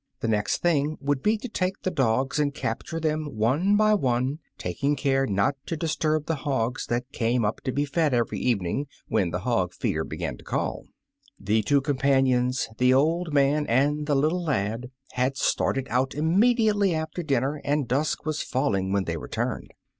The next thing would be to take the dogs and capture them one by one, taking care not to disturb the hogs that came up to be fed every evening, when the hog feeder be gan to call The two companions — the old man and the little lad — had started out immediately after dinner, and dusk was falling when they returned.